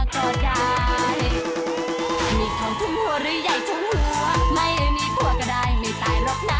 มีทองทุ่มหัวหรือใหญ่ทุ่มหัว